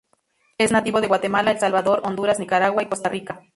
Es nativo de Guatemala, El Salvador, Honduras, Nicaragua, y Costa Rica.